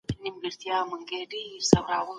موږ ناوخته راورسېدو خو بيا هم داخل سو.